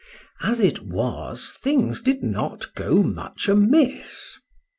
—As it was, things did not go much amiss.